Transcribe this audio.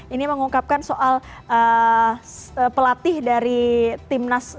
ini mengungkapkan soal pelatih dari timnas